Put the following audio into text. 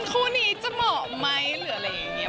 ผู้นี้จะเหมาะไหม